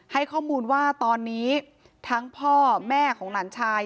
ให้ข้อมูลว่าตอนนี้ทั้งพ่อแม่ของหลานชาย